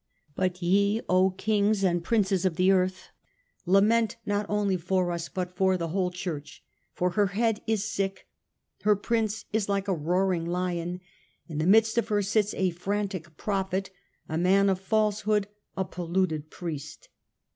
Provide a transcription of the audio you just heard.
But ye, O Kings and Princes of the earth, lament not only for us but for the whole Church ; for her head is sick ; her prince is like a roaring lion ; in the midst of her sits a frantic prophet, a man of false hood, a polluted priest